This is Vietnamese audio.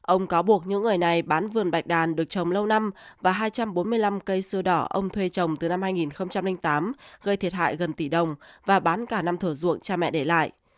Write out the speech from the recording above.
ông cáo buộc những người này bán vườn bạch đàn được trồng lâu năm và hai trăm bốn mươi năm cây sư đỏ ông thuê trồng từ năm hai nghìn tám gây thiệt hại gần tỷ đồng và bán cả năm thửa ruộng cha mẹ để lại